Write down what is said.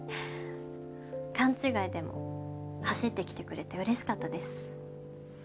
勘違いでも走って来てくれてうれしかったです。